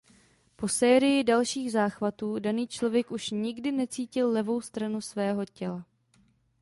Po sérii dalších záchvatů daný člověk už nikdy necítil levou stranu svého těla.